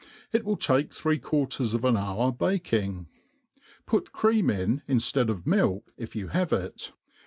It will take three quarters oi an hour baking. Put cream in, inftead of milk, jf you have it.